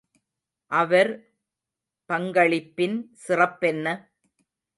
அவர் பங்களிப்பின் சிறப்பென்ன?